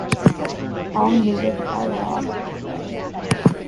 All music by Rob McVey.